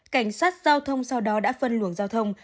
cảnh sát giao thông sau đó đã phân luồng giao thông